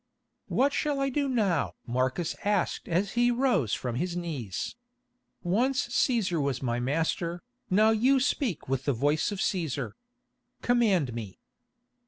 "What shall I do now?" Marcus asked as he rose from his knees. "Once Cæsar was my master, now you speak with the voice of Cæsar. Command me."